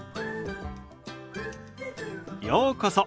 ようこそ。